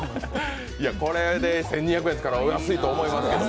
これで１２００円ですから安いと思います。